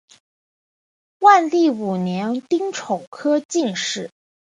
万历五年丁丑科进士。